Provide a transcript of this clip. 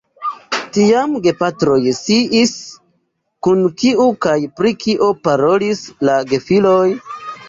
Tiam gepatroj sciis, kun kiu kaj pri kio parolis la gefiloj.